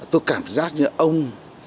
tôi cảm giác như ông